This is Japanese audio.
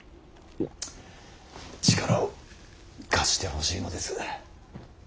力を貸してほしいのです。